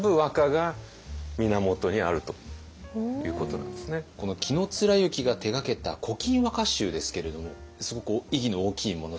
ただこの紀貫之が手がけた「古今和歌集」ですけれどもすごく意義の大きいものなんですか？